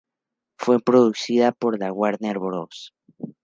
Fue producida por la Warner Bros.